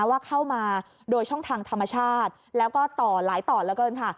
ว่าเข้ามาโดยช่องทางธรรมชาติแล้วก็หลายต่อแล้วก็เลยค่ะ